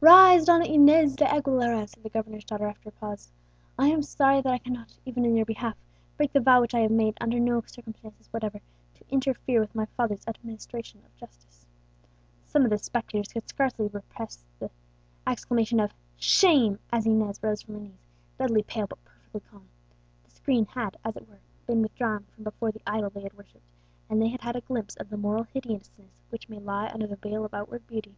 "Rise, Donna Inez de Aguilera," said the governor's daughter after a pause; "I am sorry that I cannot, even in your behalf, break the vow which I have made, under no circumstances whatever to interfere with my father's administration of justice." Some of the spectators could hardly suppress the exclamation of "Shame!" as Inez rose from her knees, deadly pale, but perfectly calm. The screen had, as it were, been withdrawn from before the idol they had worshipped, and they had had a glimpse of the moral hideousness which may lie under the veil of outward beauty.